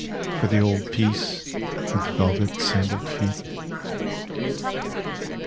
For the old peace with velvet sandalled feet